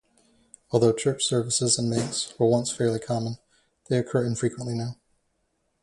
Although church services in Manx were once fairly common, they occur infrequently now.